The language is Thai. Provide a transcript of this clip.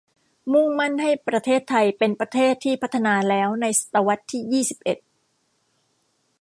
มุ่งมั่นให้ประเทศไทยเป็นประเทศที่พัฒนาแล้วในศตวรรษที่ยี่สิบเอ็ด